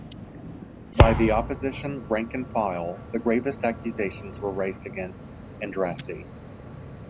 By the Opposition rank and file the gravest accusations were raised against Andrassy.